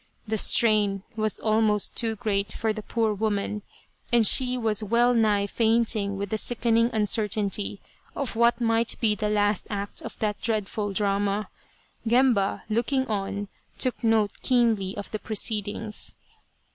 The strain was almost too great for the poor woman, and she was well nigh fainting with the sickening un certainty of what might be the last act of that dreadful drama. Gemba, looking on, took note keenly of the proceedings.